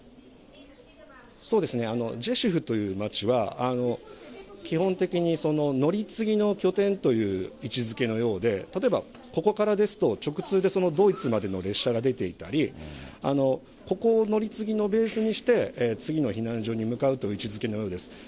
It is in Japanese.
そうですね、ジェシュフという街は基本的に乗り継ぎの拠点という位置づけのようで、例えばここからですと、直通でドイツまでの列車が出ていたり、ここを乗り継ぎのベースにして次の避難所に向かうという位置づけのようです。